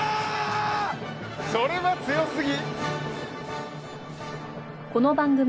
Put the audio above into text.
それは強すぎ！